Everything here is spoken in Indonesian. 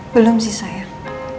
belum sih sayang